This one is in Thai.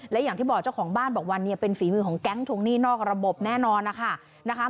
และอย่างที่บอกเจ้าของบ้านบอกว่าเนี่ยเป็นฝีมือของแก๊งทวงหนี้นอกระบบแน่นอนนะคะ